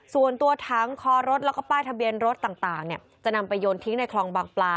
ส่วนตัวถังคอรถแล้วก็ป้ายทะเบียนรถต่างจะนำไปโยนทิ้งในคลองบางปลา